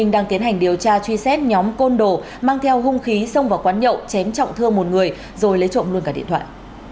đang tiến hành điều tra truy xét nhóm côn đồ mang theo hung khí xông vào quán nhậu chém trọng thương một người rồi lấy trộm luôn cả điện thoại